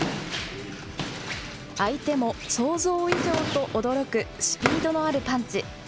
相手も想像以上と驚くスピードのあるパンチ。